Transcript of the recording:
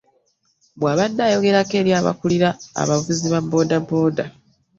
Bw'abadde ayogerako eri abakulira abavuzi ba boodabooda